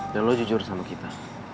dan lo jujur sama kita